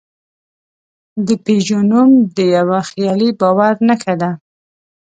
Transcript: د پيژو نوم د یوه خیالي باور نښه ده.